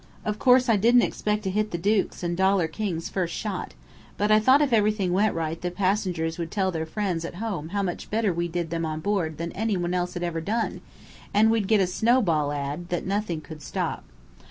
Of course I didn't expect to hit the dukes and dollar kings first shot, but I thought if everything went right the passengers would tell their friends at home how much better we did them on board than any one else had ever done, and we'd get a 'snowball' ad, that nothing could stop.